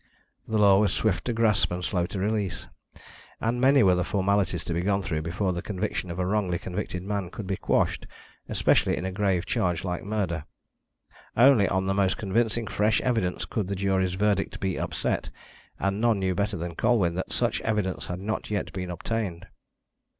The law was swift to grasp and slow to release, and many were the formalities to be gone through before the conviction of a wrongly convicted man could be quashed, especially in a grave charge like murder. Only on the most convincing fresh evidence could the jury's verdict be upset, and none knew better than Colwyn that such evidence had not yet been obtained.